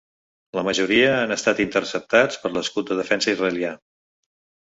La majoria han estat interceptats per l’escut de defensa israelià.